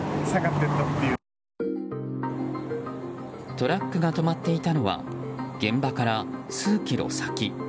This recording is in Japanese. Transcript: トラックが止まっていたのは現場から数キロ先。